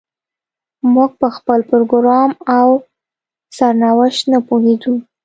موږ په خپل پروګرام او سرنوشت نه پوهېدو.